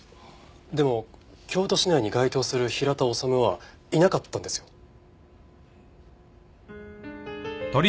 でも京都市内に該当する平田治はいなかったんですよ。